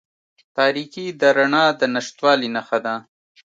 تاریکې د رڼا د نشتوالي نښه ده.